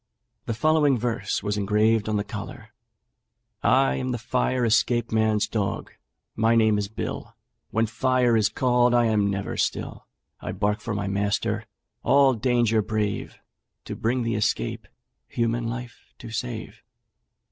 The following verse was engraved on the collar: 'I am the fire escape man's dog: my name is Bill. When 'fire' is called I am never still: I bark for my master, all danger brave, To bring the escape human life to save.'